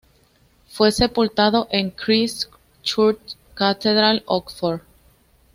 Fue sepultado en Christ Church Cathedral, Oxford.